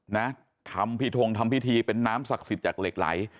นะทำพิทงทำพิธีเป็นน้ำศักดิ์สิทธิ์จากเหล็กไหล